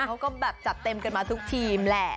เขาก็แบบจัดเต็มกันมาทุกทีมแหละ